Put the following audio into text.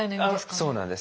そうなんです。